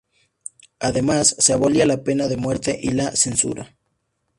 Además se abolía la pena de muerte y la censura.